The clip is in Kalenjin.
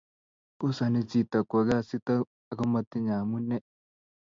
kosani chitok kwo kasit akomatinyei amunee